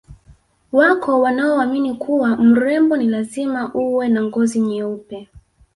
Wako wanaoamini kuwa mrembo ni lazima uwe na ngozi nyeupe